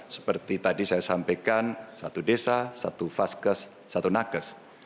seperti tadi saya sampaikan satu desa satu faskes satu nakes